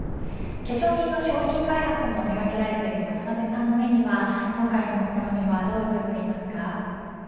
化粧品の商品開発も手がけられている渡辺さんの目には今回の試みはどう映っていますか。